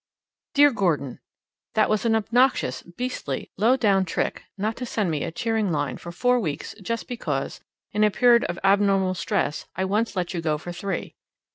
Dear Gordon: That was an obnoxious, beastly, low down trick not to send me a cheering line for four weeks just because, in a period of abnormal stress I once let you go for three.